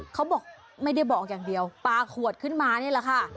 เขาบอกไม่ได้บอกอย่างเดียวปลาขวดขึ้นมานี่แหละค่ะ